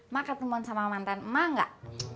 mak ketemuan sama mantan emak enggak